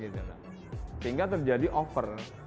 sehingga terjadi over